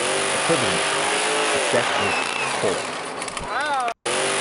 Equivalently, a set is co-r.e.